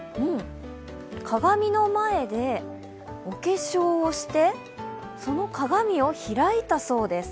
鏡の前でお化粧をして、その鏡を開いたそうです。